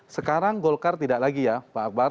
sekarang golkar tidak lagi ya pak akbar